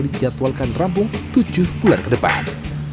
dijadwalkan rampung tujuh bulan ke depan